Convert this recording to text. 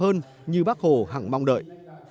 hơn như bác hồ hẳng mong đợi